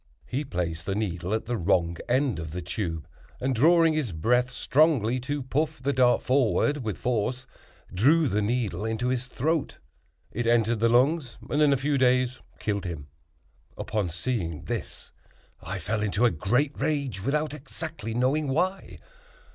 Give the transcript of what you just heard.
He placed the needle at the wrong end of the tube, and drawing his breath strongly to puff the dart forward with force, drew the needle into his throat. It entered the lungs, and in a few days killed him." Upon seeing this I fell into a great rage, without exactly knowing why.